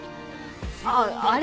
あっあれは！